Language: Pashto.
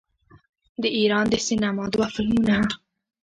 د ایران د سینما دوه فلمونه